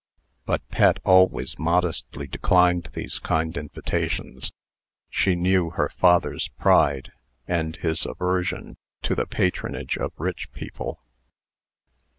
But Pet always modestly declined these kind invitations. She knew her father's pride, and his aversion to the patronage of rich people.